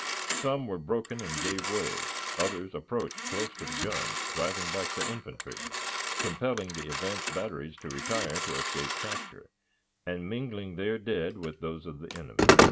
Some were broken and gave way; others approached close to the guns, driving back the infantry, compelling the advance batteries to retire to escape capture, and mingling their dead with those of the enemy.